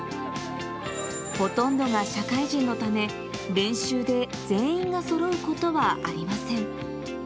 ほとんどが社会人のため、練習で全員がそろうことはありません。